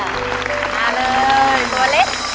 มาเลยตัวเล็ก